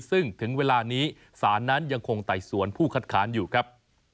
ซึ่งถึงเวลานี้สารนั้นยังคงไต่สวนผู้คัดค้านอยู่ครับ